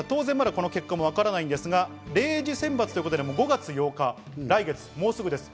当然まだこの結果もわからないですが、０次選抜ということで５月８日、来月、もうすぐです。